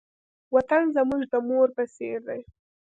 وطن زموږ د مور په څېر دی.